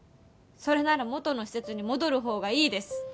それなら元の施設に戻るほうがいいです。